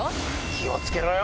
気を付けろよ。